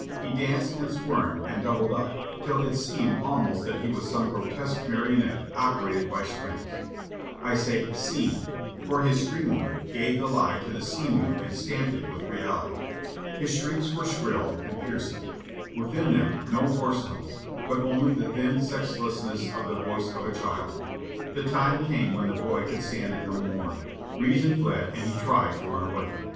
He danced and squirmed and doubled up till it seemed almost that he was some grotesque marionette operated by strings. I say "seemed," for his screaming gave the lie to the seeming and stamped it with reality. His shrieks were shrill and piercing; within them no hoarse notes, but only the thin sexlessness of the voice of a child. The time came when the boy could stand it no more. Reason fled, and he tried to run away.